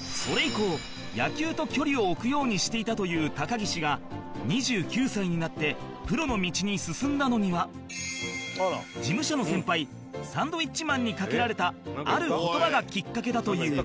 それ以降野球と距離を置くようにしていたという高岸が２９歳になってプロの道に進んだのには事務所の先輩サンドウィッチマンにかけられたある言葉がきっかけだという